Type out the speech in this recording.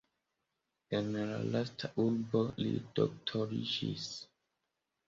En la lasta urbo li doktoriĝis.